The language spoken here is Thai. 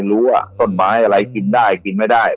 ว่าต้นไม้อะไรกินได้กินไม่ได้